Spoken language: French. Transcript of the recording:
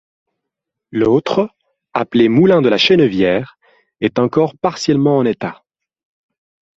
L'autre, appelé moulin de la Chenevière, est encore partiellement en état.